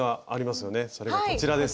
それがこちらです。